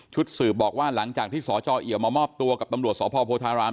สืบบอกว่าหลังจากที่สจเอียวมามอบตัวกับตำรวจสพโพธาราม